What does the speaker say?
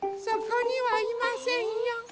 そこにはいませんよ。